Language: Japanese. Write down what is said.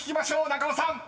中尾さん］